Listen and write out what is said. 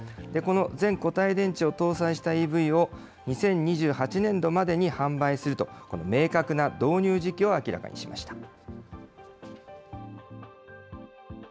この全固体電池を搭載したＥＶを、２０２８年度までに販売すると、明確な導入時期を明らかにしました。